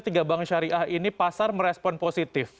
tiga bank syariah ini pasar merespon positif